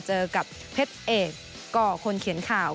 เจอกับเพชรเอกก่อคนเขียนข่าว